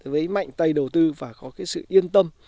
với mạnh tay đầu tư phải có cái sự yên tâm